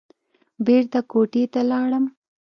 بېرته کوټې ته لاړم.